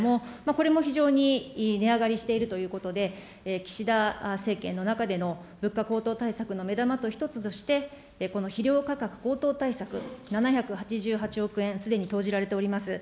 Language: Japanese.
、これも非常に値上がりしているということで、岸田政権の中での物価高騰対策の目玉の一つとして、この肥料価格高騰対策、７８８億円、すでに投じられております。